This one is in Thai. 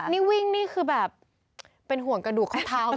นี่วิ่งนี่คือแบบเป็นห่วงกระดูกข้อเท้า